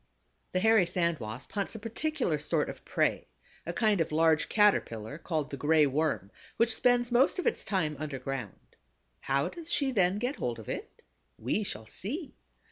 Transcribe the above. The Hairy Sand Wasp hunts a particular sort of prey, a kind of large Caterpillar called the Gray Worm, which spends most of its time underground. How does she then get hold of it? We shall see.